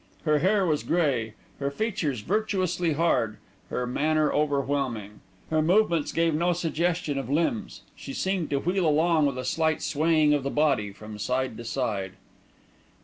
Her hair was grey, her features virtuously hard, her manner overwhelming. Her movements gave no suggestion of limbs, she seemed to wheel along with a slight swaying of the body from side to side.